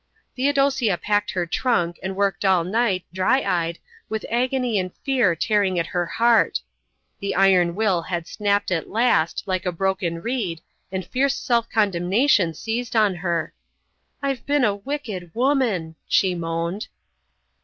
Theodosia packed her trunk and worked all night, dry eyed, with agony and fear tearing at her heart. The iron will had snapped at last, like a broken reed, and fierce self condemnation seized on her. "I've been a wicked woman," she moaned.